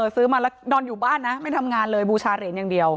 ซื้อมาแล้วนอนอยู่บ้านนะไม่ทำงานเลยบูชาเหรียญอย่างเดียว